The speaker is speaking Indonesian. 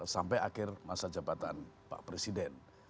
sampai akhir masa jabatan pak presiden